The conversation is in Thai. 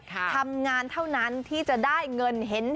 ทำงานเท่านั้นที่จะได้เงินเห็น